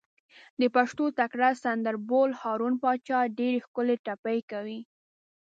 د پښتو تکړه سندر بول، هارون پاچا ډېرې ښکلې ټپې کوي.